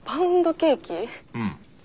うん。